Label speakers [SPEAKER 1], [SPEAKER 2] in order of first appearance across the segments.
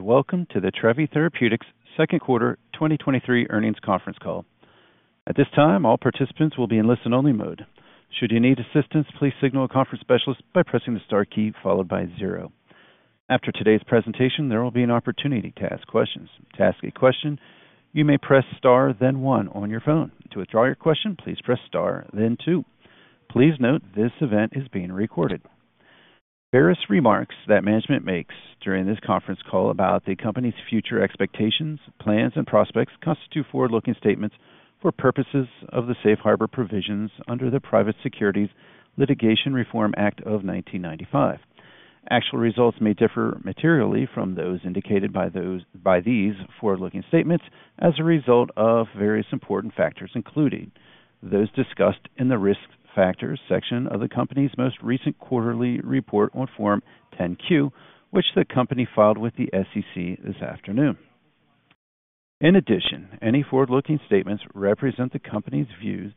[SPEAKER 1] Welcome to the Trevi Therapeutics Second Quarter 2023 Earnings Conference Call. At this time, all participants will be in listen-only mode. Should you need assistance, please signal a conference specialist by pressing the star key followed by zero. After today's presentation, there will be an opportunity to ask questions. To ask a question, you may press star, then one on your phone. To withdraw your question, please press star, then two. Please note, this event is being recorded. Various remarks that management makes during this conference call about the company's future expectations, plans, and prospects constitute forward-looking statements for purposes of the Safe Harbor Provisions under the Private Securities Litigation Reform Act of 1995. Actual results may differ materially from those indicated by these forward-looking statements as a result of various important factors, including those discussed in the Risk Factors section of the company's most recent quarterly report on Form 10-Q, which the company filed with the SEC this afternoon. Any forward-looking statements represent the company's views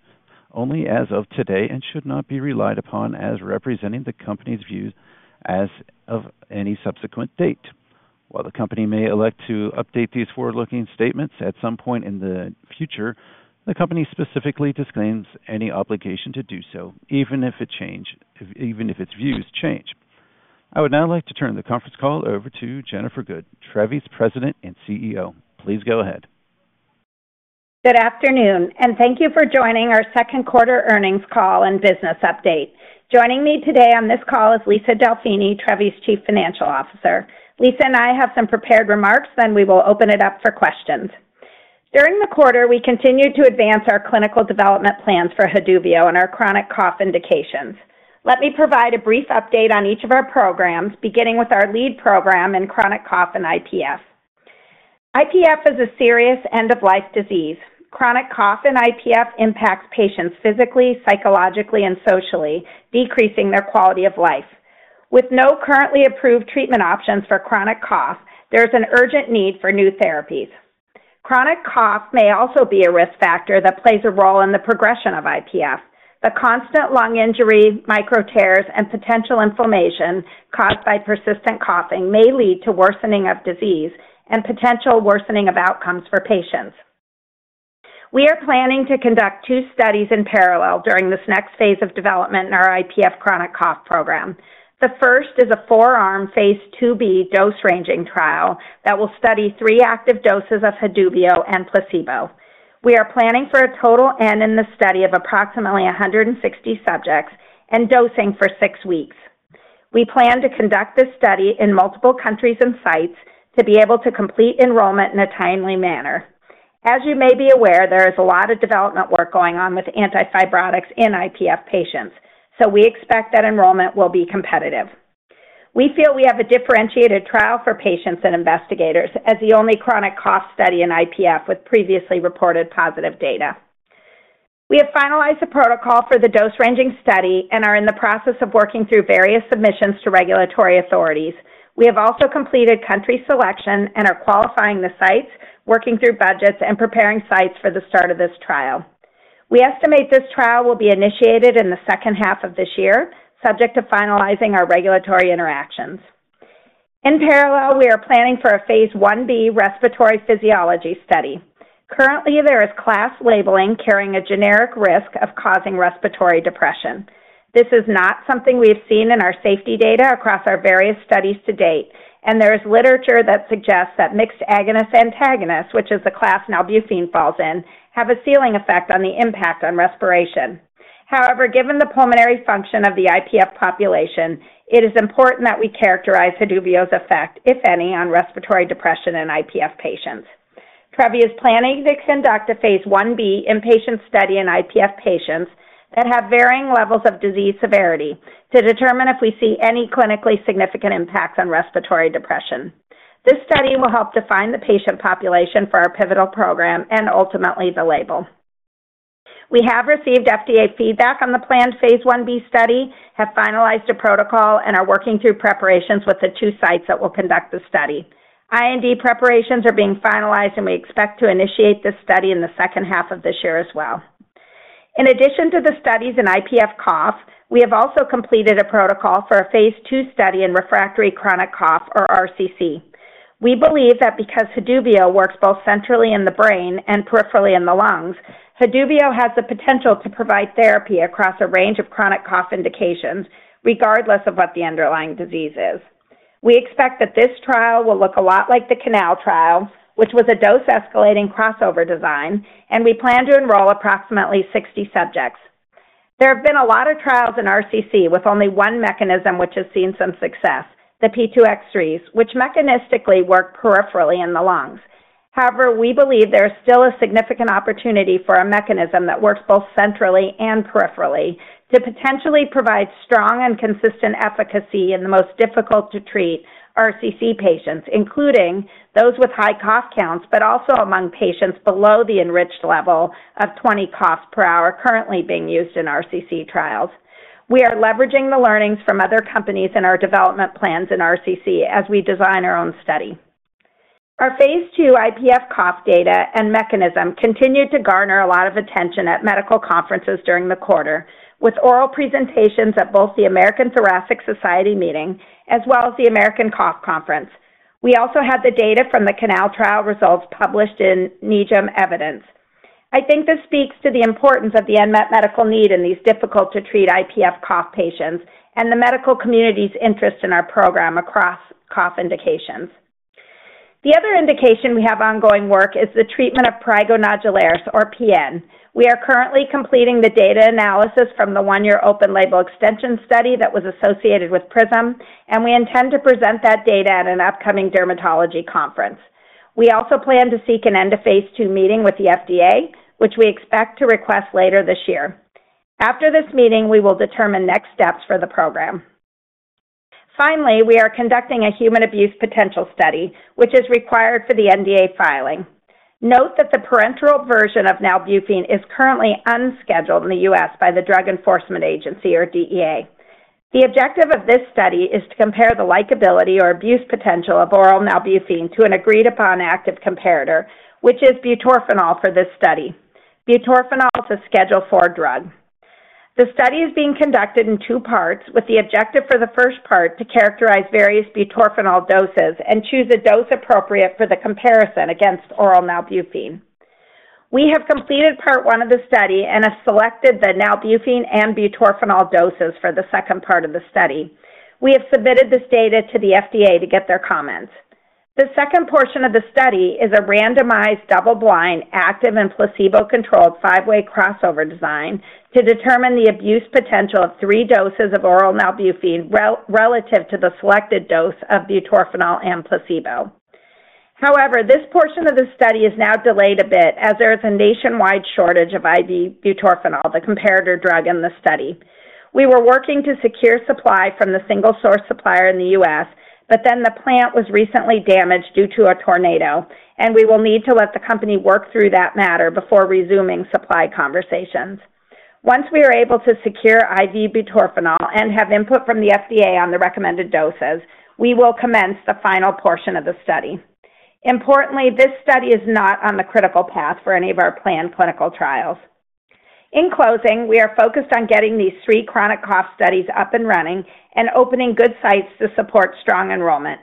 [SPEAKER 1] only as of today and should not be relied upon as representing the company's views as of any subsequent date. While the company may elect to update these forward-looking statements at some point in the future, the company specifically disclaims any obligation to do so, even if its views change. I would now like to turn the conference call over to Jennifer Good, Trevi's President and CEO. Please go ahead.
[SPEAKER 2] Good afternoon, thank you for joining our second quarter earnings call and business update. Joining me today on this call is Lisa Delfini, Trevi's Chief Financial Officer. Lisa and I have some prepared remarks, we will open it up for questions. During the quarter, we continued to advance our clinical development plans for Haduvio and our chronic cough indications. Let me provide a brief update on each of our programs, beginning with our lead program in chronic cough and IPF. IPF is a serious end-of-life disease. Chronic cough and IPF impacts patients physically, psychologically, and socially, decreasing their quality of life. With no currently approved treatment options for chronic cough, there is an urgent need for new therapies. Chronic cough may also be a risk factor that plays a role in the progression of IPF. The constant lung injury, micro tears, and potential inflammation caused by persistent coughing may lead to worsening of disease and potential worsening of outcomes for patients. We are planning to conduct two studies in parallel during this next phase of development in our IPF chronic cough program. The first is a four-arm, phase II-B dose-ranging trial that will study three active doses of Haduvio and placebo. We are planning for a total N in the study of approximately 160 subjects and dosing for six weeks. We plan to conduct this study in multiple countries and sites to be able to complete enrollment in a timely manner. As you may be aware, there is a lot of development work going on with antifibrotics in IPF patients. We expect that enrollment will be competitive. We feel we have a differentiated trial for patients and investigators as the only chronic cough study in IPF with previously reported positive data. We have finalized the protocol for the dose-ranging study and are in the process of working through various submissions to regulatory authorities. We have also completed country selection and are qualifying the sites, working through budgets, and preparing sites for the start of this trial. We estimate this trial will be initiated in the second half of this year, subject to finalizing our regulatory interactions. In parallel, we are planning for a phase I-B respiratory physiology study. Currently, there is class labeling carrying a generic risk of causing respiratory depression. This is not something we have seen in our safety data across our various studies to date. There is literature that suggests that mixed agonist-antagonists, which is the class nalbuphine falls in, have a ceiling effect on the impact on respiration. However, given the pulmonary function of the IPF population, it is important that we characterize Haduvio's effect, if any, on respiratory depression in IPF patients. Trevi is planning to conduct a phase I-B inpatient study in IPF patients that have varying levels of disease severity to determine if we see any clinically significant impacts on respiratory depression. This study will help define the patient population for our pivotal program and ultimately the label. We have received FDA feedback on the planned phase I-B study, have finalized a protocol, and are working through preparations with the two sites that will conduct the study. IND preparations are being finalized, we expect to initiate this study in the second half of this year as well. In addition to the studies in IPF cough, we have also completed a protocol for a phase II study in refractory chronic cough, or RCC. We believe that because Haduvio works both centrally in the brain and peripherally in the lungs, Haduvio has the potential to provide therapy across a range of chronic cough indications, regardless of what the underlying disease is. We expect that this trial will look a lot like the CANAL trial, which was a dose-escalating crossover design, and we plan to enroll approximately 60 subjects. There have been a lot of trials in RCC, with only one mechanism which has seen some success, the P2X3s, which mechanistically work peripherally in the lungs. However, we believe there is still a significant opportunity for a mechanism that works both centrally and peripherally to potentially provide strong and consistent efficacy in the most difficult-to-treat RCC patients, including those with high cough counts, but also among patients below the enriched level of 20 coughs per hour currently being used in RCC trials. We are leveraging the learnings from other companies in our development plans in RCC as we design our own study....Our phase II IPF cough data and mechanism continued to garner a lot of attention at medical conferences during the quarter, with oral presentations at both the American Thoracic Society meeting as well as the American Cough Conference. We also had the data from the CANAL trial results published in NEJM Evidence. I think this speaks to the importance of the unmet medical need in these difficult to treat IPF cough patients and the medical community's interest in our program across cough indications. The other indication we have ongoing work is the treatment of prurigo nodularis, or PN. We are currently completing the data analysis from the 1-year open label extension study that was associated with PRISM. We intend to present that data at an upcoming dermatology conference. We also plan to seek an end of Phase II meeting with the FDA, which we expect to request later this year. After this meeting, we will determine next steps for the program. Finally, we are conducting a human abuse potential study, which is required for the NDA filing. Note that the parenteral version of nalbuphine is currently unscheduled in the U.S. by the Drug Enforcement Administration, or DEA. The objective of this study is to compare the likability or abuse potential of oral nalbuphine to an agreed-upon active comparator, which is butorphanol for this study. Butorphanol is a Schedule IV drug. The study is being conducted in two parts, with the objective for the first part to characterize various butorphanol doses and choose a dose appropriate for the comparison against oral nalbuphine. We have completed part one of the study and have selected the nalbuphine and butorphanol doses for the second part of the study. We have submitted this data to the FDA to get their comments. The second portion of the study is a randomized, double-blind, active, and placebo-controlled five-way crossover design to determine the abuse potential of three doses of oral nalbuphine relative to the selected dose of butorphanol and placebo. This portion of the study is now delayed a bit as there is a nationwide shortage of IV butorphanol, the comparator drug in the study. We were working to secure supply from the single source supplier in the U.S., but then the plant was recently damaged due to a tornado, and we will need to let the company work through that matter before resuming supply conversations. Once we are able to secure IV butorphanol and have input from the FDA on the recommended doses, we will commence the final portion of the study. Importantly, this study is not on the critical path for any of our planned clinical trials. In closing, we are focused on getting these three chronic cough studies up and running and opening good sites to support strong enrollment.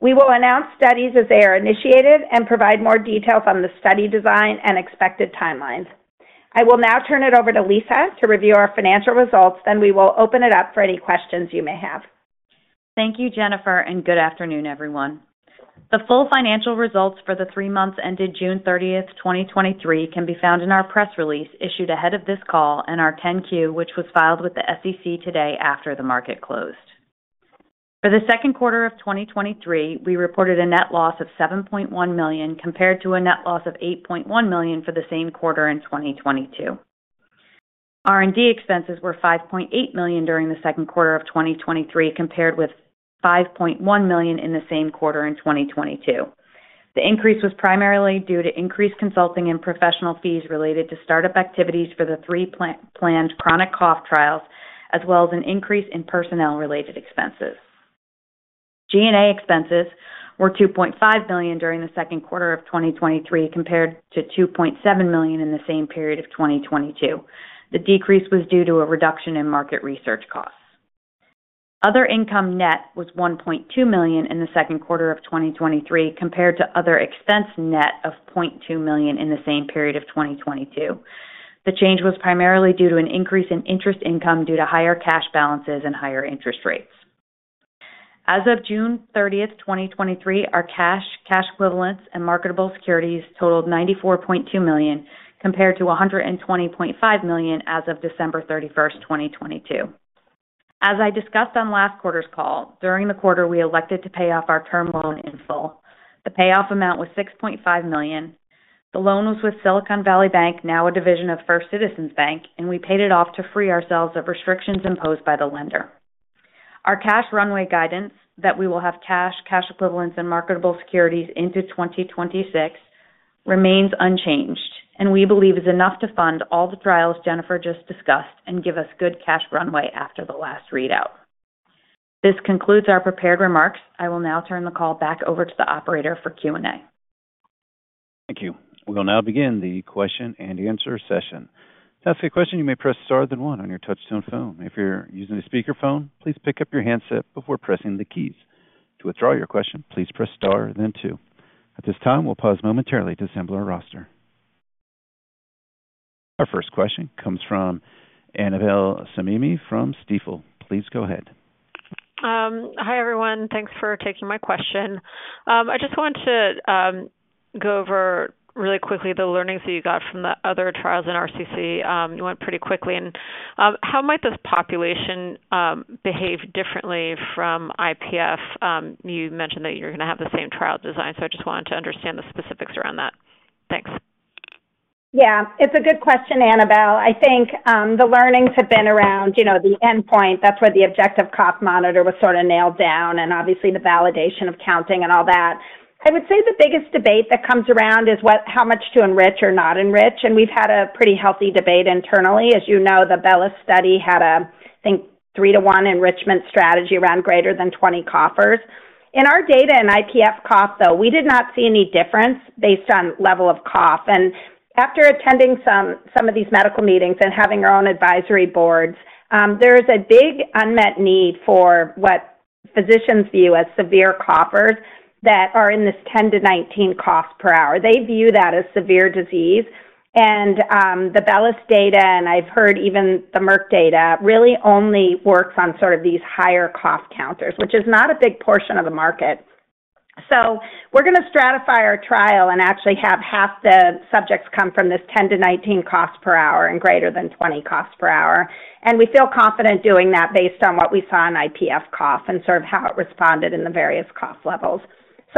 [SPEAKER 2] We will announce studies as they are initiated and provide more details on the study design and expected timelines. I will now turn it over to Lisa to review our financial results. We will open it up for any questions you may have.
[SPEAKER 3] Thank you, Jennifer, and good afternoon, everyone. The full financial results for the three months ended June 30th, 2023, can be found in our press release issued ahead of this call and our 10-Q, which was filed with the SEC today after the market closed. For the second quarter of 2023, we reported a net loss of $7.1 million, compared to a net loss of $8.1 million for the same quarter in 2022. R&D expenses were $5.8 million during the second quarter of 2023, compared with $5.1 million in the same quarter in 2022. The increase was primarily due to increased consulting and professional fees related to startup activities for the three planned chronic cough trials, as well as an increase in personnel-related expenses. G&A expenses were $2.5 million during the second quarter of 2023, compared to $2.7 million in the same period of 2022. The decrease was due to a reduction in market research costs. Other income net was $1.2 million in the second quarter of 2023, compared to other expense net of $0.2 million in the same period of 2022. The change was primarily due to an increase in interest income due to higher cash balances and higher interest rates. As of June 30, 2023, our cash, cash equivalents, and marketable securities totaled $94.2 million, compared to $120.5 million as of December 31, 2022. As I discussed on last quarter's call, during the quarter, we elected to pay off our term loan in full. The payoff amount was $6.5 million. The loan was with Silicon Valley Bank, now a division of First Citizens Bank. We paid it off to free ourselves of restrictions imposed by the lender. Our cash runway guidance, that we will have cash, cash equivalents, and marketable securities into 2026, remains unchanged and we believe is enough to fund all the trials Jennifer just discussed and give us good cash runway after the last readout. This concludes our prepared remarks. I will now turn the call back over to the operator for Q and A.
[SPEAKER 1] Thank you. We will now begin the question-and-answer session. To ask a question, you may press star one on your touchtone phone. If you're using a speakerphone, please pick up your handset before pressing the keys. To withdraw your question, please press star two. At this time, we'll pause momentarily to assemble our roster. Our first question comes from Annabel Samimy from Stifel. Please go ahead.
[SPEAKER 4] Hi, everyone. Thanks for taking my question. I just wanted to go over really quickly the learnings that you got from the other trials in RCC. You went pretty quickly and how might this population behave differently from IPF? You mentioned that you're gonna have the same trial design, so I just wanted to understand the specifics around that. Thanks.
[SPEAKER 2] Yeah, it's a good question, Annabel. I think, the learnings have been around, you know, the endpoint. That's where the objective cough monitor was sort of nailed down and obviously the validation of counting and all that. I would say the biggest debate that comes around is what-- how much to enrich or not enrich, and we've had a pretty healthy debate internally. As you know, the BELLUS study had a I think three to one enrichment strategy around greater than 20 coughers. In our data and IPF cough, though, we did not see any difference based on level of cough. And after attending some, some of these medical meetings and having our own advisory boards, there is a big unmet need for what physicians view as severe coughers that are in this 10-19 cough per hour. They view that as severe disease. The BELLUS data, and I've heard even the Merck data, really only works on sort of these higher cough counters, which is not a big portion of the market. We're gonna stratify our trial and actually have half the subjects come from this 10 to 19 coughs per hour and greater than 20 coughs per hour. We feel confident doing that based on what we saw in IPF cough and sort of how it responded in the various cough levels.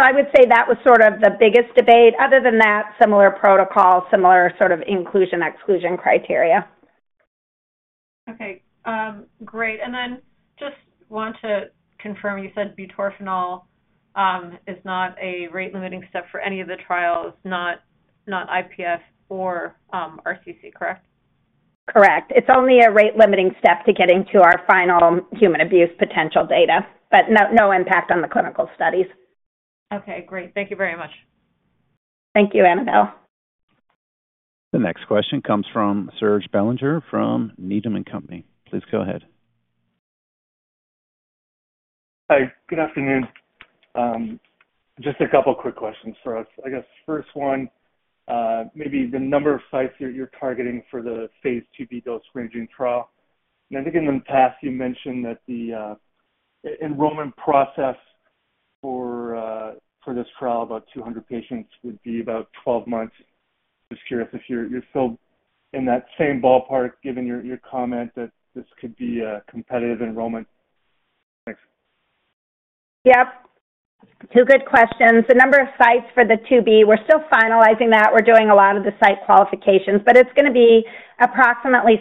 [SPEAKER 2] I would say that was sort of the biggest debate. Other than that, similar protocol, similar sort of inclusion, exclusion criteria.
[SPEAKER 4] Okay. great. Then just want to confirm, you said butorphanol, is not a rate-limiting step for any of the trials, not, not IPF or RCC, correct?
[SPEAKER 2] Correct. It's only a rate-limiting step to getting to our final human abuse potential data, but no, no impact on the clinical studies.
[SPEAKER 4] Okay, great. Thank you very much.
[SPEAKER 2] Thank you, Annabel.
[SPEAKER 1] The next question comes from Serge Belanger from Needham & Company. Please go ahead.
[SPEAKER 5] Hi, good afternoon. Just a couple quick questions for us. I guess first one, maybe the number of sites you're targeting for the phase II-B dose-ranging trial. I think in the past, you mentioned that the enrollment process for this trial, about 200 patients, would be about 12 months. Just curious if you're still in that same ballpark, given your comment that this could be a competitive enrollment. Thanks.
[SPEAKER 2] Yep, two good questions. The number of sites for the II-B, we're still finalizing that. We're doing a lot of the site qualifications, but it's going to be approximately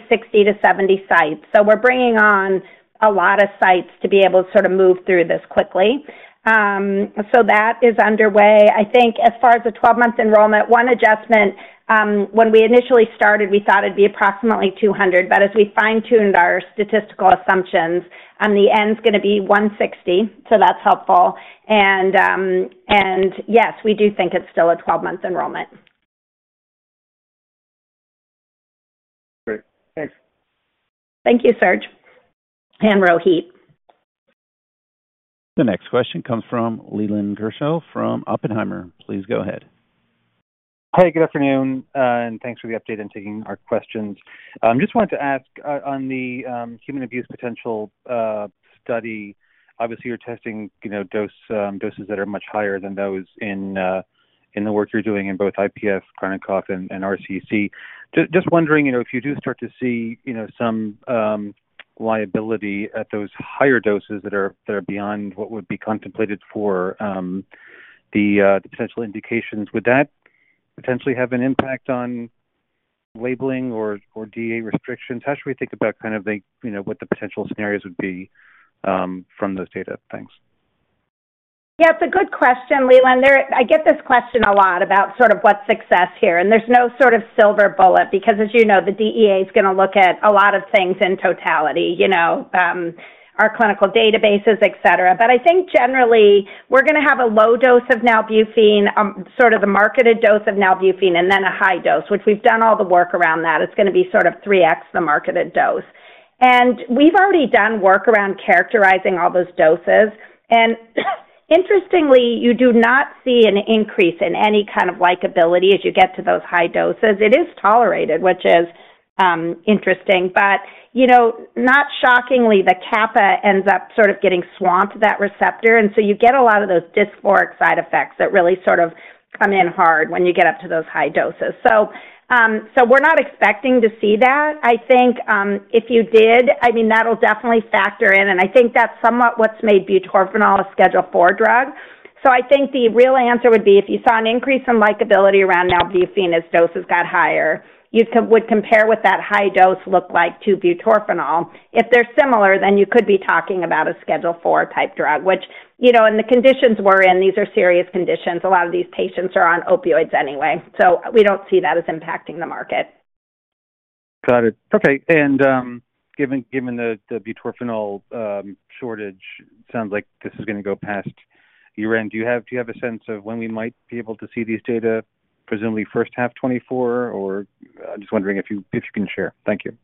[SPEAKER 2] 60-70 sites. That is underway. I think as far as the 12-month enrollment, one adjustment, when we initially started, we thought it'd be approximately 200, but as we fine-tuned our statistical assumptions, on the end, it's going to be 160. That's helpful. And yes, we do think it's still a 12-month enrollment.
[SPEAKER 5] Great. Thanks.
[SPEAKER 2] Thank you, Serge and Rohit.
[SPEAKER 1] The next question comes from Leland Gershell from Oppenheimer. Please go ahead.
[SPEAKER 6] Hi, good afternoon, and thanks for the update and taking our questions. Just wanted to ask on the human abuse potential study. Obviously, you're testing, you know, dose, doses that are much higher than those in the work you're doing in both IPF, chronic cough and, and RCC. Just, just wondering, you know, if you do start to see, you know, some liability at those higher doses that are, that are beyond what would be contemplated for the potential indications, would that potentially have an impact on labeling or, or DEA restrictions? How should we think about kind of the, you know, what the potential scenarios would be from those data? Thanks.
[SPEAKER 2] Yeah, it's a good question, Leland. There. I get this question a lot about sort of what's success here, and there's no sort of silver bullet, because as you know, the DEA is gonna look at a lot of things in totality, you know, our clinical databases, et cetera. I think generally we're gonna have a low dose of nalbuphine, sort of the marketed dose of nalbuphine, and then a high dose, which we've done all the work around that. It's gonna be sort of 3x the marketed dose. We've already done work around characterizing all those doses. Interestingly, you do not see an increase in any kind of likability as you get to those high doses. It is tolerated, which is, interesting, but, you know, not shockingly, the kappa ends up sort of getting swamped, that receptor, and so you get a lot of those dysphoric side effects that really sort of come in hard when you get up to those high doses. We're not expecting to see that. I think, if you did, I mean, that'll definitely factor in, and I think that's somewhat what's made butorphanol a Schedule IV drug. I think the real answer would be if you saw an increase in likability around nalbuphine as doses got higher, you would compare what that high dose looked like to butorphanol. If they're similar, then you could be talking about a Schedule IV type drug, which, you know, and the conditions we're in, these are serious conditions. A lot of these patients are on opioids anyway. We don't see that as impacting the market.
[SPEAKER 6] Got it. Okay, given, given the, the butorphanol shortage, sounds like this is gonna go past year-end. Do you have, do you have a sense of when we might be able to see these data, presumably first half 2024, or just wondering if you, if you can share? Thank you.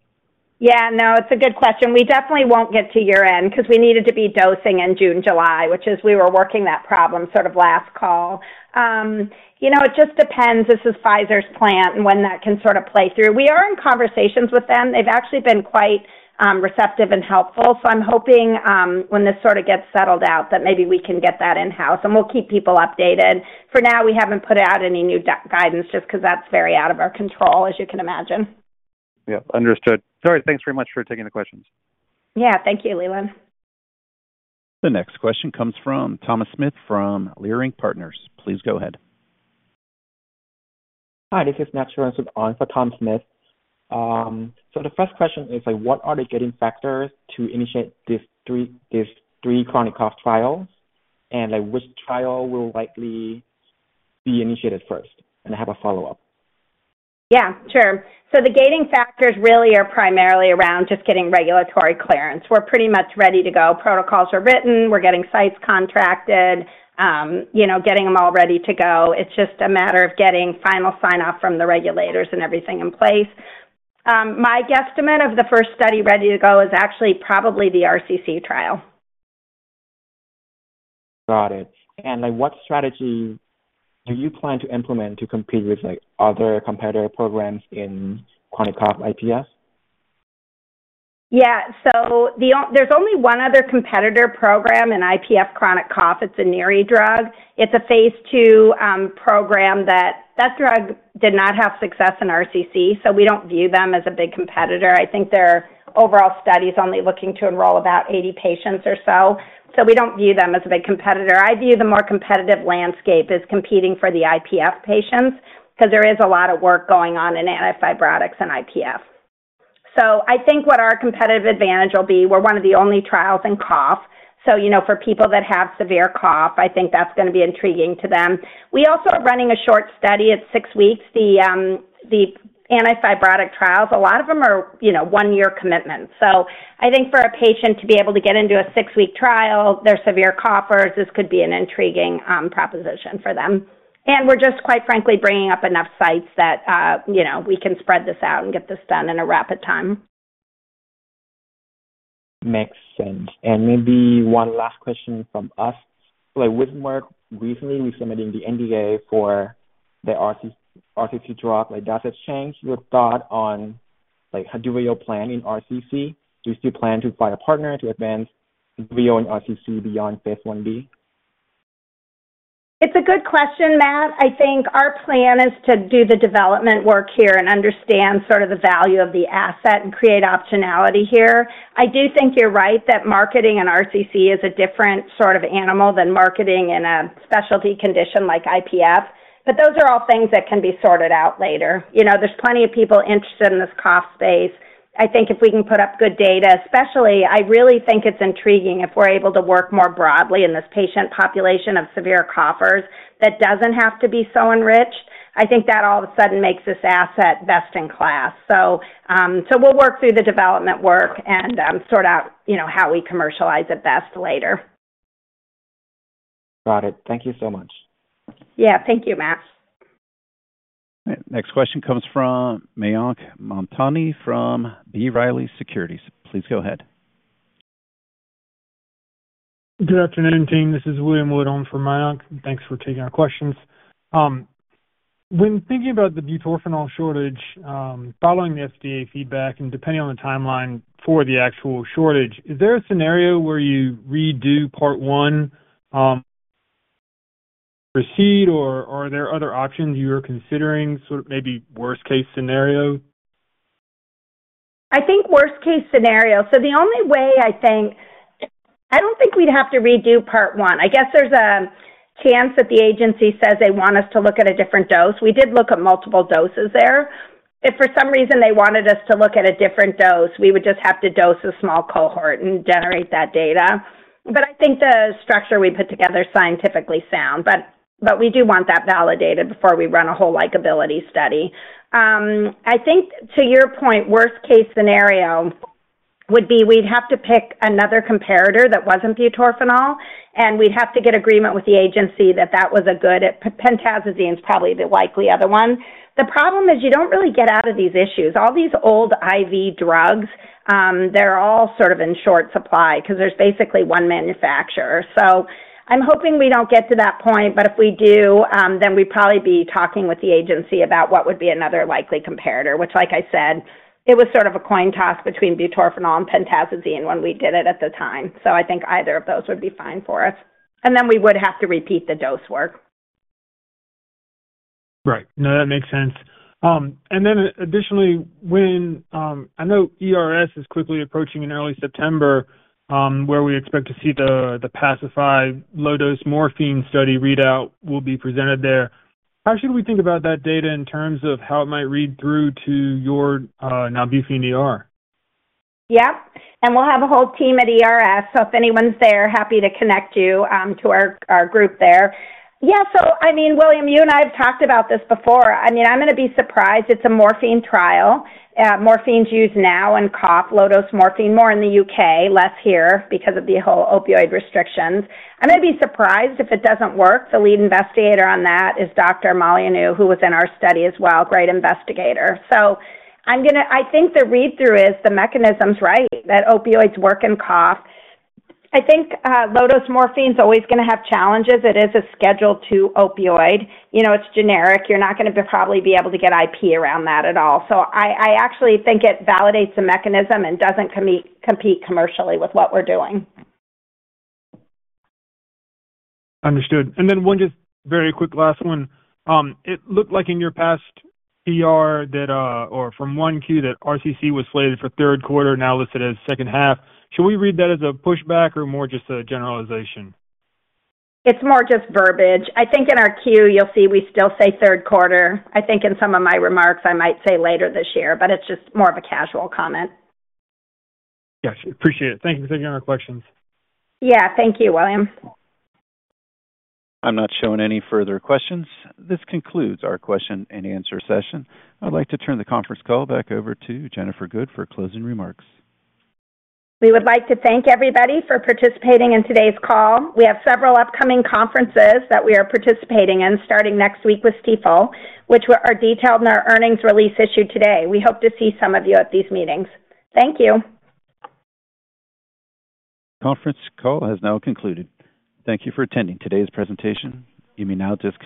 [SPEAKER 2] Yeah, no, it's a good question. We definitely won't get to year-end because we needed to be dosing in June, July, which is we were working that problem sort of last call. You know, it just depends. This is Pfizer's plant and when that can sort of play through. We are in conversations with them. They've actually been quite receptive and helpful. I'm hoping, when this sort of gets settled out, that maybe we can get that in-house, and we'll keep people updated. For now, we haven't put out any new guidance just because that's very out of our control, as you can imagine.
[SPEAKER 6] Yeah, understood. All right. Thanks very much for taking the questions.
[SPEAKER 2] Yeah. Thank you, Leland.
[SPEAKER 1] The next question comes from Thomas Smith from Leerink Partners. Please go ahead.
[SPEAKER 7] Hi, this is Matt Sharon on for Tom Smith. The first question is, what are the getting factors to initiate these three, these three chronic cough trials? Like, which trial will likely be initiated first? I have a follow-up....
[SPEAKER 2] Yeah, sure. The gating factors really are primarily around just getting regulatory clearance. We're pretty much ready to go. Protocols are written, we're getting sites contracted, you know, getting them all ready to go. It's just a matter of getting final sign-off from the regulators and everything in place. My guesstimate of the first study ready to go is actually probably the RCC trial.
[SPEAKER 7] Got it. Like, what strategy do you plan to implement to compete with, like, other competitor programs in chronic cough IPF?
[SPEAKER 2] Yeah. The only one other competitor program in IPF chronic cough. It's a NeRRe drug. It's a phase II program that, that drug did not have success in RCC, so we don't view them as a big competitor. I think their overall study is only looking to enroll about 80 patients or so, so we don't view them as a big competitor. I view the more competitive landscape as competing for the IPF patients, because there is a lot of work going on in antifibrotics and IPF. I think what our competitive advantage will be, we're 1 of the only trials in cough. You know, for people that have severe cough, I think that's going to be intriguing to them. We also are running a short study. It's six weeks. The antifibrotic trials, a lot of them are, you know, one-year commitments. I think for a patient to be able to get into a six-week trial, they're severe coughers, this could be an intriguing proposition for them. We're just, quite frankly, bringing up enough sites that, you know, we can spread this out and get this done in a rapid time.
[SPEAKER 7] Makes sense. Maybe one last question from us. Like, with Merck recently resubmitting the NDA for the RC, RCC drug, like, does it change your thought on, like, how do you plan in RCC? Do you still plan to find a partner to advance VO and RCC beyond phase I-B?
[SPEAKER 2] It's a good question, Matt. I think our plan is to do the development work here and understand sort of the value of the asset and create optionality here. I do think you're right that marketing in RCC is a different sort of animal than marketing in a specialty condition like IPF, but those are all things that can be sorted out later. You know, there's plenty of people interested in this cough space. I think if we can put up good data, especially, I really think it's intriguing if we're able to work more broadly in this patient population of severe coughers, that doesn't have to be so enriched. I think that all of a sudden makes this asset best in class. We'll work through the development work and sort out, you know, how we commercialize it best later.
[SPEAKER 7] Got it. Thank you so much.
[SPEAKER 2] Yeah. Thank you, Matt.
[SPEAKER 1] Next question comes from Mayank Mamtani from B. Riley Securities. Please go ahead.
[SPEAKER 8] Good afternoon, team. This is William Wood on for Mayank. Thanks for taking our questions. When thinking about the butorphanol shortage, following the FDA feedback, and depending on the timeline for the actual shortage, is there a scenario where you redo part one, proceed, or are there other options you are considering, sort of maybe worst-case scenario?
[SPEAKER 2] I think worst-case scenario. The only way I think I don't think we'd have to redo part one. I guess there's a chance that the agency says they want us to look at a different dose. We did look at multiple doses there. If for some reason they wanted us to look at a different dose, we would just have to dose a small cohort and generate that data. I think the structure we put together is scientifically sound, but we do want that validated before we run a whole likability study. I think to your point, worst-case scenario would be we'd have to pick another comparator that wasn't butorphanol, and we'd have to get agreement with the agency that that was a good, pentazocine is probably the likely other one. The problem is, you don't really get out of these issues. All these old IV drugs, they're all sort of in short supply because there's basically one manufacturer. I'm hoping we don't get to that point, but if we do, then we'd probably be talking with the agency about what would be another likely comparator, which like I said, it was sort of a coin toss between butorphanol and pentazocine when we did it at the time. I think either of those would be fine for us, and then we would have to repeat the dose work.
[SPEAKER 8] Right. No, that makes sense. And then additionally, when, I know ERS is quickly approaching in early September, where we expect to see the, the PACIFY low-dose morphine study readout will be presented there. How should we think about that data in terms of how it might read through to your Nalbuphine ER?
[SPEAKER 2] Yeah, we'll have a whole team at ERS, so if anyone's there, happy to connect you to our, our group there. Yeah, I mean, William, you and I have talked about this before. I mean, I'm going to be surprised. It's a morphine trial. Morphine is used now in cough, low-dose morphine, more in the U.K., less here because of the whole opioid restrictions. I'm going to be surprised if it doesn't work. The lead investigator on that is Dr. Molyneux, who was in our study as well. Great investigator. I think the read-through is the mechanism's right, that opioids work in cough. I think low-dose morphine is always going to have challenges. It is a Schedule II opioid. You know, it's generic. You're not going to probably be able to get IP around that at all. I, I actually think it validates the mechanism and doesn't compete commercially with what we're doing.
[SPEAKER 8] Understood. Then one just very quick last one. It looked like in your past ER that, or from 10-Q, that RCC was slated for third quarter, now listed as second half. Should we read that as a pushback or more just a generalization?
[SPEAKER 2] It's more just verbiage. I think in our Q, you'll see we still say third quarter. I think in some of my remarks, I might say later this year, but it's just more of a casual comment.
[SPEAKER 8] Got you. Appreciate it. Thank you for taking our questions.
[SPEAKER 2] Yeah. Thank you, William.
[SPEAKER 1] I'm not showing any further questions. This concludes our question-and-answer session. I'd like to turn the conference call back over to Jennifer Good for closing remarks.
[SPEAKER 2] We would like to thank everybody for participating in today's call. We have several upcoming conferences that we are participating in, starting next week with Stifel, which are detailed in our earnings release issue today. We hope to see some of you at these meetings. Thank you.
[SPEAKER 1] Conference call has now concluded. Thank you for attending today's presentation. You may now disconnect.